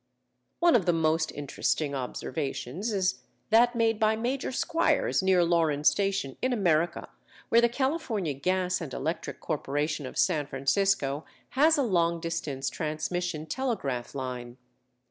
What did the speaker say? One of the most interesting observations is that made by Major Squiers near Lorin Station, in America, where the California Gas and Electric Corporation of San Francisco has a long distance transmission telegraph line.